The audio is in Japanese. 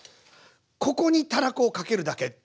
ここにたらこをかけるだけ！